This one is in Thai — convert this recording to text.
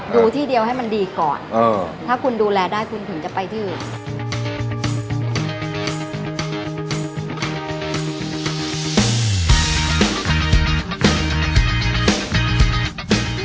ดูที่เดียวให้มันดีก่อนถ้าคุณดูแลได้คุณถึงจะไปที่อื่น